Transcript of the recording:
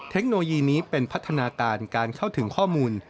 เทคโนโลยีนี้เป็นพัฒนาการการเข้าถึงข้อมูล